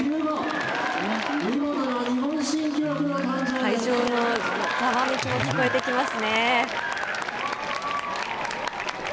会場のざわめきも聞こえてきますね。